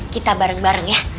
kita bareng bareng ya